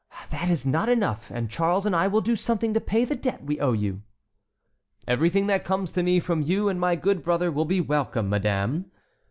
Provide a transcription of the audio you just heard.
"That is not enough, and Charles and I will do something to pay the debt we owe you." "Everything that comes to me from you and my good brother will be welcome, madame."